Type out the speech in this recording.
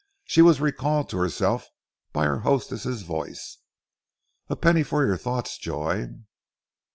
She was recalled to herself by her hostess's voice. "A penny for your thoughts, Joy."